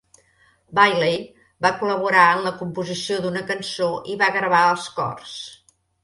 Bailey va col·laborar en la composició d'una cançó i va gravar els cors.